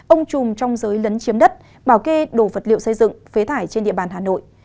ông chùm trong giới lấn chiếm đất bảo kê đổ vật liệu xây dựng phế thải trên địa bàn hà nội